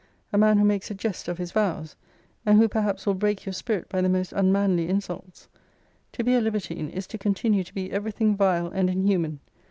a man who makes a jest of his vows? and who perhaps will break your spirit by the most unmanly insults. To be a libertine, is to continue to be every thing vile and inhuman.